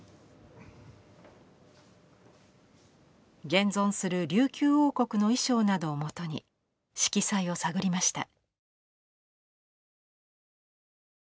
現存する琉球王国の衣装などをもとに色彩を探りました。